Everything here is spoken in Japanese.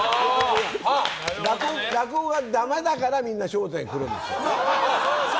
落語がダメだからみんな「笑点」来るんですよ。